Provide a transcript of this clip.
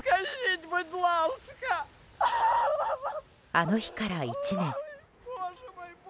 あの日から１年。